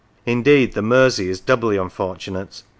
Indeed the Mersey is doubly unfortunate.